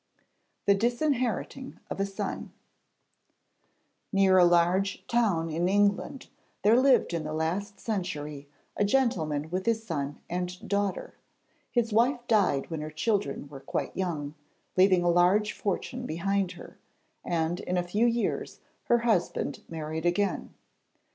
] THE DISINHERITING OF A SON Near a large town in England there lived in the last century a gentleman with his son and daughter. His wife died when her children were quite young, leaving a large fortune behind her, and in a few years her husband married again.